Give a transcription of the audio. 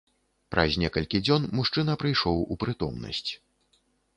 Праз некалькі дзён мужчына прыйшоў у прытомнасць.